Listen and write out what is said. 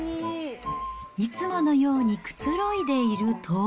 いつものようにくつろいでいると。